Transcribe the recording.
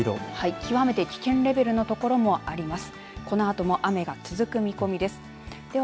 極めて危険レベルの所もあります。